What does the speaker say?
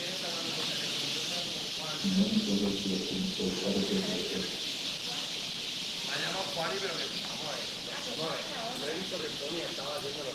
مىڭ ئېغىز گەپتىن بىر ھەرىكەت ئەۋزەل!